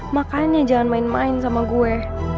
makanya jangan main main sama gue